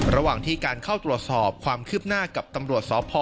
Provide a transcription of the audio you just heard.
ระหว่างที่การเข้าตรวจสอบความคืบหน้ากับตำรวจสพ